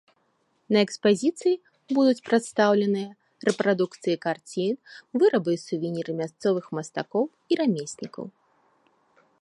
На экспазіцыі будуць прадстаўленыя рэпрадукцыі карцін, вырабы і сувеніры мясцовых мастакоў і рамеснікаў.